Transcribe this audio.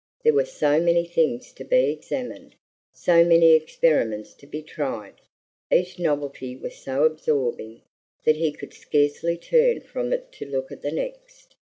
There were so many things to be examined, so many experiments to be tried; each novelty was so absorbing that he could scarcely turn from it to look at the next.